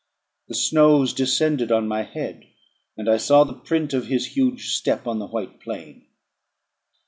The snows descended on my head, and I saw the print of his huge step on the white plain.